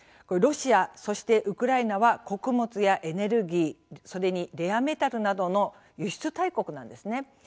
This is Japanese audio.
ロシア、そしてウクライナは穀物やエネルギーそれにレアメタルなどの輸出大国なんですね。